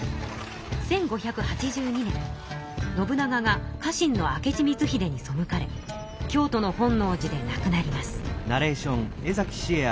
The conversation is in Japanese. １５８２年信長が家臣の明智光秀にそむかれ京都の本能寺でなくなります。